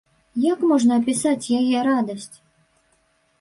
Як можна апісаць яе радасць?